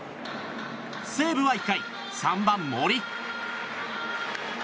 西武は１回、３番、森。